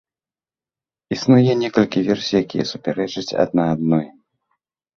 Існуе некалькі версій, якія супярэчаць адна адной.